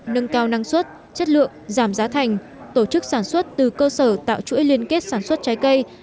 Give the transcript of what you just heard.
nâng cao năng suất chất lượng giảm giá thành tổ chức sản xuất từ cơ sở tạo chuỗi liên kết sản xuất trái cây